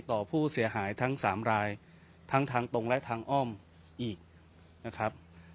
ต่อผู้เสียหายทั้ง๓รายทั้งทางตรงและทางอ้อมอีกนะครับ